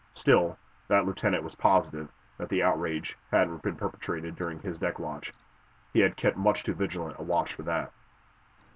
Still, that lieutenant was positive that the outrage hadn't been perpetrated during his deck watch. He had kept much too vigilant a watch for that.